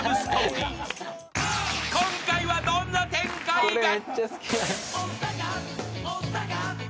［今回はどんな展開が？］